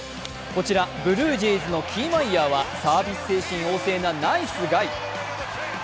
こちら、ブルージェイズのキーマイヤーは、サービス精神旺盛なナイスガイ。